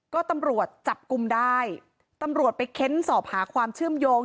ก็ตำรวจจับกลุ่มได้ตำรวจไปเค้นสอบหาความเชื่อมโยง